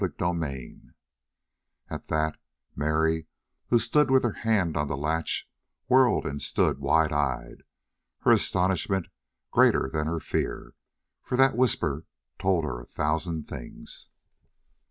CHAPTER 30 At that Mary, who stood with her hand on the latch, whirled and stood wide eyed, her astonishment greater than her fear, for that whisper told her a thousand things.